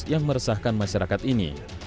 dan meresahkan masyarakat ini